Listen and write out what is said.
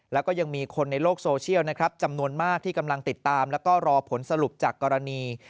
แล้วก็ยังมีคนในโลกโซเชียลนะครับจำนวนมากที่กำลังติดตามแล้วก็รอผลสรุปจากกรณี